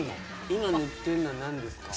今塗ってるのは何ですか？